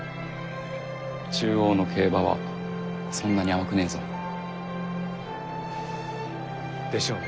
中央の競馬はそんなに甘くねえぞ。でしょうね。